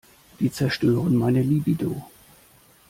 Die zerstören meine Libido.